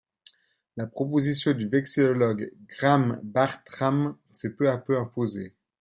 La proposition du vexillologue Graham Bartram s'est peu à peu imposée.